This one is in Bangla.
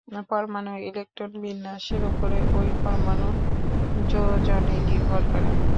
পরমাণুর ইলেকট্রন বিন্যাসের উপরে ঐ পরমাণুর যোজনী নির্ভর করে।